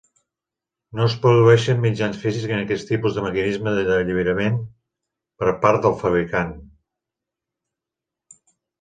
No es produeixen mitjans físics en aquest tipus de mecanisme de alliberament per part del fabricant.